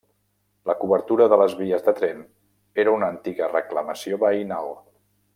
La cobertura de les vies de tren era una antiga reclamació veïnal.